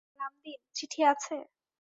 – রামদীন, চিঠি আছে?